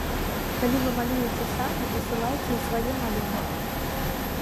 Калі вы малюеце самі, дасылайце і свае малюнкі!